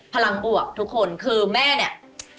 พลังบวกทุกคนคือแม่เนี่ย